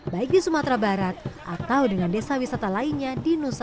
baik di sumatera barat atau dengan desa wisata lainnya di nusantara